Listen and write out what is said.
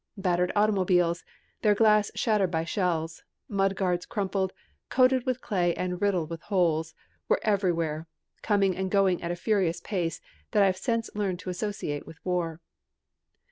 Battered automobiles, their glass shattered by shells, mud guards crumpled, coated with clay and riddled with holes, were everywhere, coming and going at the furious pace I have since learned to associate with war.